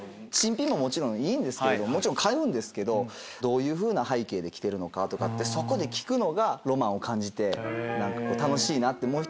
新品ももちろんいいんですけどもちろん買うんですけどどういうふうな背景で来てるのかとかってそこで聞くのがロマンを感じて楽しいなって。